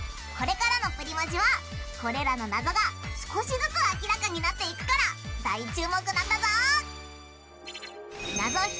これからのプリマジはこれらのナゾが少しずつ明らかになっていくから大注目なんだぞ！